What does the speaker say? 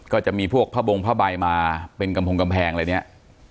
ก็จะมีพวกพระบงพระใบมาเป็นกำพงกำแพงอะไรอย่างนี้